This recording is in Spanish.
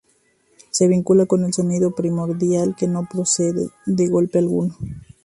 Se vincula con el sonido primordial que no procede de golpe alguno.